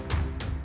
aku akan menunggu